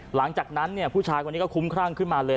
หลังจากนั้นเนี่ยผู้ชายคนนี้ก็คุ้มครั่งขึ้นมาเลย